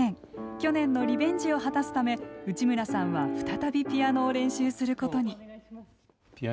去年のリベンジを果たすため内村さんは再びピアノを練習することに。